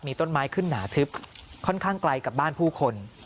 มีต้นไม้ขึ้นหนาทึบค่อนข้างไกลกับบ้านผู้คน